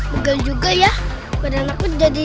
mikirnya mau kepada